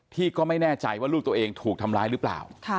ที่ก็ไม่แน่ใจว่าลูกตัวเองถูกทำร้ายหรือเปล่า